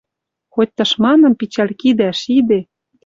Хоть тышманым пичӓл кидӓ шиде